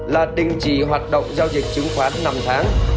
là đình chỉ hoạt động giao dịch chứng khoán năm tháng